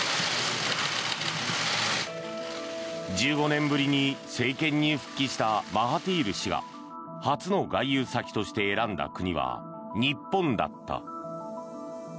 １５年ぶりに政権に復帰したマハティール氏が初の外遊先として選んだ国は日本だった。